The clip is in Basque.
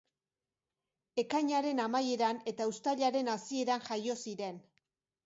Ekainaren amaieran eta uztailaren hasieran jazo ziren.